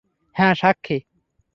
হ্যাঁ, সাক্ষী।